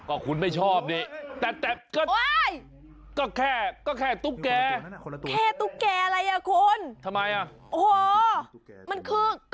ก็คุณไม่ชอบนี่